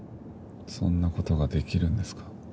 そんな事ができるんですか？